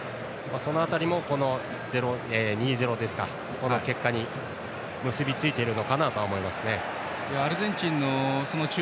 その辺りも２−０の結果に結びついているのかなと思います。